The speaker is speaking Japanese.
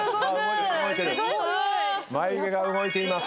眉毛が動いています。